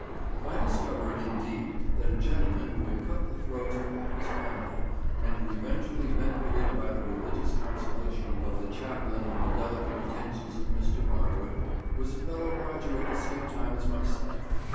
I discovered, indeed, that a gentleman who had cut the throats of half his family, and who eventually benefited by the religious consolation of the Chaplain and the delicate attentions of Mr. Marwood, was a fellow lodger at the same time as myself.